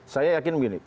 saya yakin begini